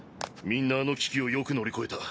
みんなあの危機をよく乗り越えた。